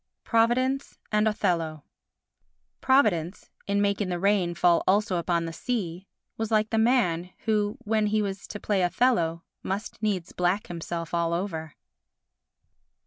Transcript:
Providence and Othello Providence, in making the rain fall also upon the sea, was like the man who, when he was to play Othello, must needs black himself all over.